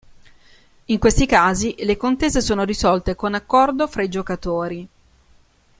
In questi casi le contese sono risolte con accordo fra i giocatori.